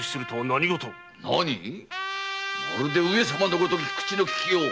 なに⁉まるで上様のごとき口の利きよう。